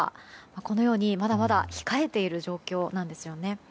このようにまだまだ控えている状況なんですよね。